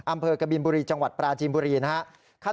กบินบุรีจังหวัดปราจีนบุรีนะครับ